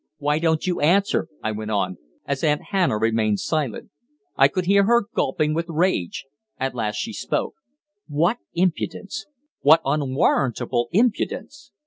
"Why don't you answer?" I went on, as Aunt Hannah remained silent; I could hear her gulping with rage. At last she spoke: "What impudence what unwarrantable impudence!"